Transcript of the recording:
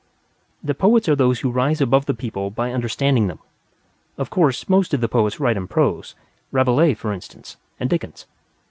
The Poets are those who rise above the people by understanding them. Of course, most of the Poets wrote in prose Rabelais, for instance, and Dickens.